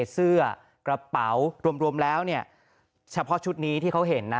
เสื้อกระเป๋ารวมแล้วเนี่ยเฉพาะชุดนี้ที่เขาเห็นนะ